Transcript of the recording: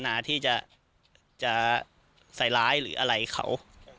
ผมก็ไม่ได้มีเจตนาที่จะใส่ร้ายหรืออะไรเขา